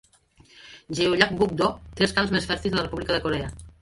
Jeollabuk-do té els camps més fèrtils de la República de Corea.